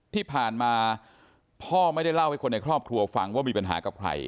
ที่ผ่านมาพ่อไม่ได้เล่าให้คนในครอบครัวฟังว่ามีปัญหากับใคร